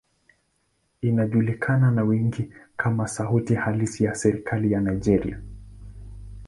Inajulikana na wengi kama sauti halisi ya serikali ya Nigeria.